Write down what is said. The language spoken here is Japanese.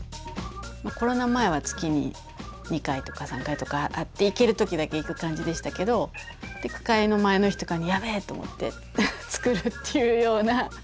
コロナ前は月に２回とか３回とかあって行ける時だけ行く感じでしたけど句会の前の日とかに「やべえ！」と思って作るっていうようなそういう方式ですね。